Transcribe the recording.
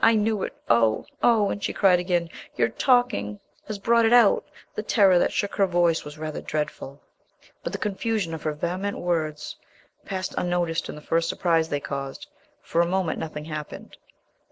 I knew it. Oh! Oh!" And she cried again, "Your talking has brought it out!" The terror that shook her voice was rather dreadful. But the confusion of her vehement words passed unnoticed in the first surprise they caused. For a moment nothing happened.